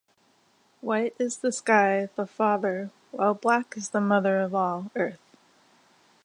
White is the sky, the Father, while black is the mother of all, Earth.